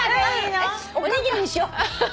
おにぎりにしよう。